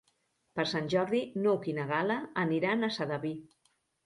Per Sant Jordi n'Hug i na Gal·la aniran a Sedaví.